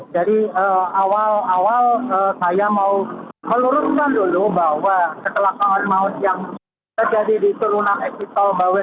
jadi awal awal saya mau meluruskan dulu bahwa kecelakaan maut yang terjadi di turunan eksit tol bawen